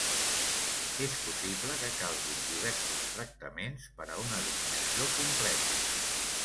És possible que calguin diversos tractaments per a una eliminació completa.